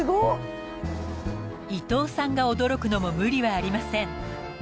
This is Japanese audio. ［伊藤さんが驚くのも無理はありません］